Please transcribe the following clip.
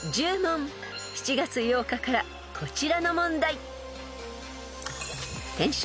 ［７月８日からこちらの問題］